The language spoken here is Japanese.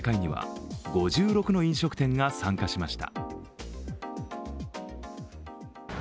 今日の説明会には５６の飲食店が参加しました。